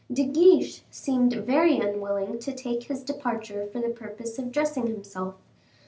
De Guiche seemed very unwilling to take his departure for the purpose of dressing himself.